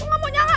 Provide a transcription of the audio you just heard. lu gak mau nyala